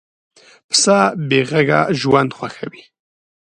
پسه بېغږه ژوند خوښوي.